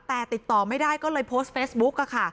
แต่ติดต่อไม่ได้ก็เลยโพสต์เฟซบุ๊กค่ะ